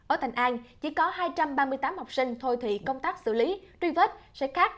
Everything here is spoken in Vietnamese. ở thành an chỉ có hai trăm ba mươi tám học sinh thôi thị công tác xử lý truy vết sẽ khác